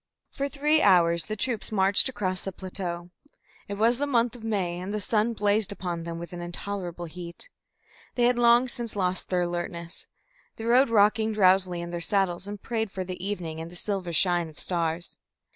For three hours the troops marched across the plateau. It was the month of May, and the sun blazed upon them with an intolerable heat. They had long since lost their alertness. They rode rocking drowsily in their saddles and prayed for the evening and the silver shine of stars.